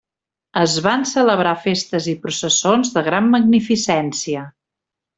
Es van celebrar festes i processons de gran magnificència.